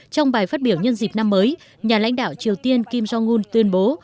trong bài phát biểu nhân dịp năm mới nhà lãnh đạo triều tiên kim jong un tuyên bố